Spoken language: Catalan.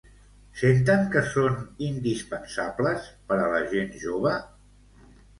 Senten que són indispensables per a la gent jove?